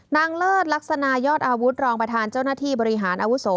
เลิศลักษณะยอดอาวุธรองประธานเจ้าหน้าที่บริหารอาวุโส